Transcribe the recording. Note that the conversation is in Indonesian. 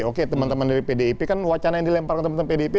oke teman teman dari pdip kan wacana yang dilempar ke teman teman pdip